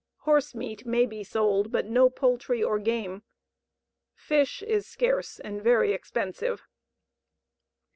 Horse meat may be sold, but no poultry or game. Fish is scarce and very expensive.